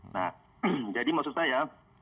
nah jadi maksud saya